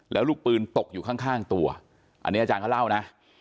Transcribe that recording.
แล้วลูกปืนตกอยู่ข้างตัวอันนี้อาจารย์เขาเล่านะ